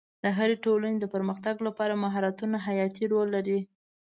د هرې ټولنې د پرمختګ لپاره مهارتونه حیاتي رول لري.